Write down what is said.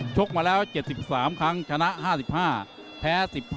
กมาแล้ว๗๓ครั้งชนะ๕๕แพ้๑๙